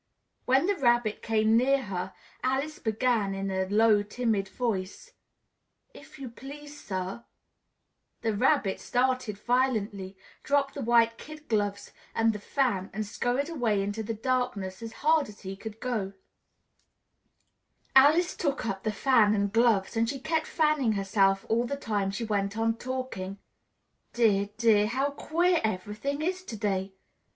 When the Rabbit came near her, Alice began, in a low, timid voice, "If you please, sir " The Rabbit started violently, dropped the white kid gloves and the fan and skurried away into the darkness as hard as he could go. Alice took up the fan and gloves and she kept fanning herself all the time she went on talking. "Dear, dear! How queer everything is to day!